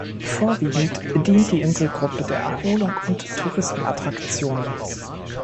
Vorwiegend dient die Inselgruppe der Erholung und Touristenattraktionen.